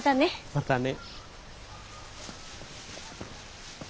またね。